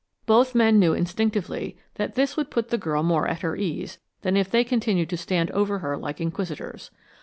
Both men knew instinctively that this would put the girl more at her ease than if they continued to stand over her like inquisitors.